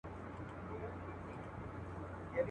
چي را نه سې پر دې سیمه پر دې لاره.